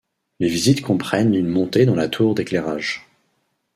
Les visites comprennent une montée dans la tour d'éclairage.